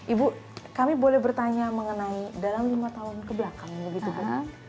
ibu kami boleh bertanya mengenai dalam lima tahun kebelakangan gitu kan